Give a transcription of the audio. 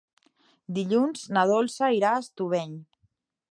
Dilluns na Dolça irà a Estubeny.